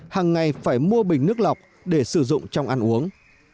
hàng ngày phải mua bình nước lọc để sử dụng trong ăn uống